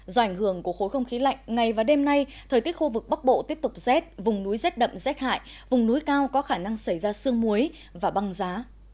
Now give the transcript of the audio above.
do ảnh hưởng của khối không khí lạnh ngày và đêm nay thời tiết khu vực bắc bộ tiếp tục rét vùng núi rét đậm rét hại vùng núi cao có khả năng xảy ra sương muối và băng giá